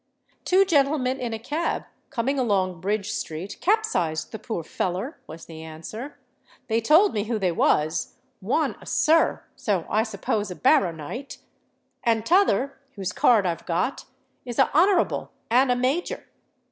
"Two gentlemen in a cab, coming along Bridge Street, capsized the poor feller," was the answer. "They told me who they was—one a Sir, so I suppose a Barrow Knight—and t'other, whose card I've got, is a Honourable and a Major.